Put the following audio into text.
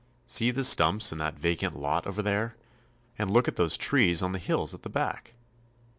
See the stumps in that vacant lot over there, and look at those trees on the hills at the back.